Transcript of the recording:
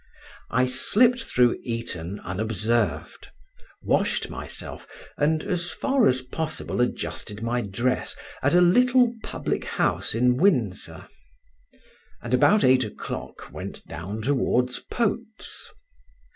I slipped through Eton unobserved; washed myself, and as far as possible adjusted my dress, at a little public house in Windsor; and about eight o'clock went down towards Pote's.